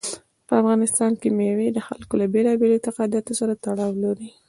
په افغانستان کې مېوې د خلکو له بېلابېلو اعتقاداتو سره تړاو لري.